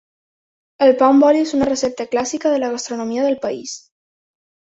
El pa amb oli és una recepta clàssica de la gastronomia del país.